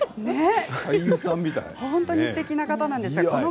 本当にすてきな方なんです。